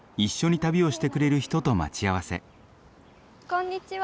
こんにちは。